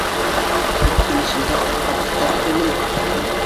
Бер көн эсендә аяҡҡа баҫтырыр инем!